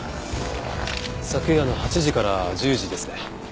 昨夜の８時から１０時ですね。